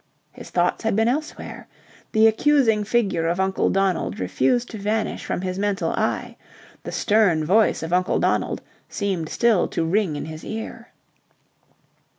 His thoughts had been elsewhere. The accusing figure of Uncle Donald refused to vanish from his mental eye. The stern voice of Uncle Donald seemed still to ring in his ear.